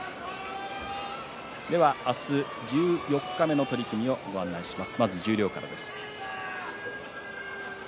明日、十四日目の取組をご案内します。